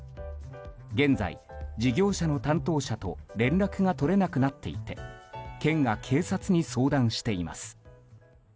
現在、事業者の担当者と連絡が取れなくなっていて県が警察に相談しています。